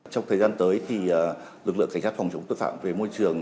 trong thời gian tới thì lực lượng cảnh sát phòng chống tội phạm về môi trường